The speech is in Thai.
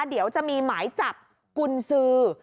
เดี๋ยวจะมีหมายจับกุญสือ